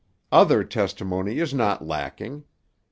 "' Other testimony is not lacking.